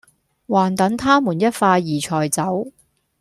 還等她們一塊兒才走